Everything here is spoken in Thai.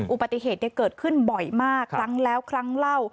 อุบัติเหตุเกิดขึ้นบ่อยมากครั้งแล้วครั้งเล่า